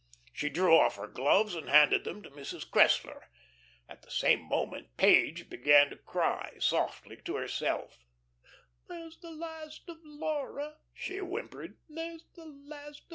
She drew off her gloves and handed them to Mrs. Cressler. At the same moment Page began to cry softly to herself. "There's the last of Laura," she whimpered.